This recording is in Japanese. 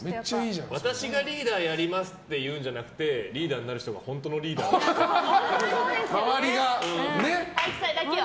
私がリーダーやりますって言うんじゃなくてリーダーやる人が体育祭だけは。